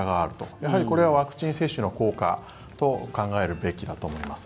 やはりこれはワクチン接種の効果と考えるべきだと思います。